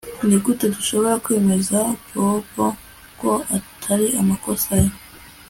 Nigute dushobora kwemeza Bobo ko atari amakosa ye